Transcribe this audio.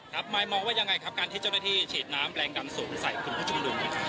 ครับหมายมองว่ายังไงครับการที่เจ้าหน้าที่ฉีดน้ำแรงดำสูงใส่คุณผู้ชมลุงด้วยคะ